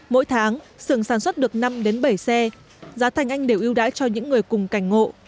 mỗi tháng xưởng sản xuất được năm bảy xe giá thành anh đều ưu đãi cho những người cùng cảnh ngộ